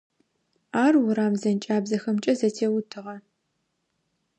Ар урам зэнкӏабзэхэмкӏэ зэтеутыгъэ.